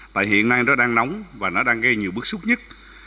tại hiện nay nó đang nóng và nó đang gây nhiều bức xúc nhất